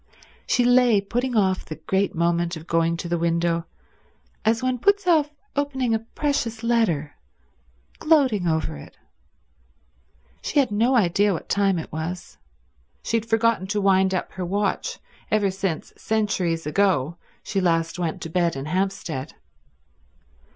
She lay putting off the great moment of going to the window as one puts off opening a precious letter, gloating over it. She had no idea what time it was; she had forgotten to wind up her watch ever since, centuries ago, she last went to bed in Hampstead.